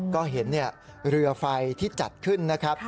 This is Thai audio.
ก็เห็นเรือไฟที่จัดขึ้นนะครับ